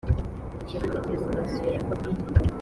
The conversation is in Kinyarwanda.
Ikibanza cya sitasiyo ya Kobili